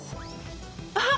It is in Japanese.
あっ！